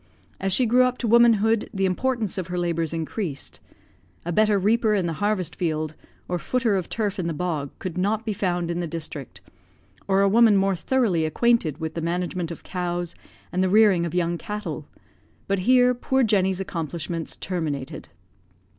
As she grew up to womanhood, the importance of her labours increased. A better reaper in the harvest field, or footer of turf in the bog, could not be found in the district, or a woman more thoroughly acquainted with the management of cows and the rearing of young cattle; but here poor Jenny's accomplishments terminated.